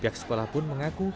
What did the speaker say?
pihak sekolah pun mengaku